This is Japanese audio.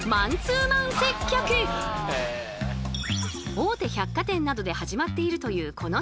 大手百貨店などで始まっているというこのサービス。